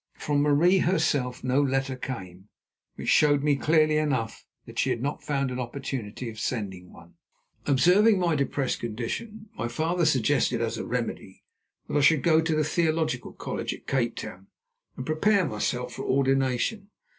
From Marie herself no letter came, which showed me clearly enough that she had not found an opportunity of sending one. Observing my depressed condition, my father suggested as a remedy that I should go to the theological college at Cape Town and prepare myself for ordination.